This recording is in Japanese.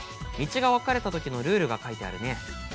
道が分かれたときのルールが書いてあるね。